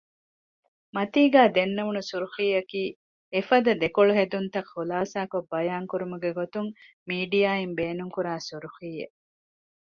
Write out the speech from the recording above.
މަތީގައި ދެންނެވުނު ސުރުޚީއަކީ އެފަދަ ދެކޮޅުހެދުންތައް ޚުލާޞާކޮށް ބަޔާން ކުރުމުގެ ގޮތުން މީޑިއާއިން ބޭނުންކުރާ ސުރުޚީއެއް